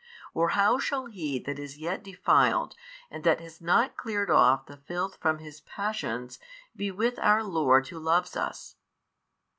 or how shall he that is yet defiled and that has not cleared off the filth from his passions be with our Lord Who loves us?